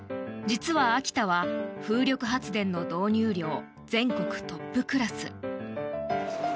実は秋田は風力発電の導入量全国トップクラス。